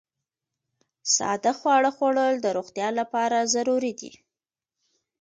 ساده خواړه خوړل د روغتیا لپاره ضروري دي.